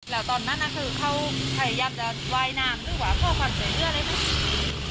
แล้วตอนนั้นนะคือเขาพยายามจะไวน้ำหรือว่าโคกความสวยเลือดอะไรไหม